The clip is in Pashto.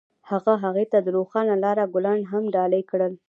هغه هغې ته د روښانه لاره ګلان ډالۍ هم کړل.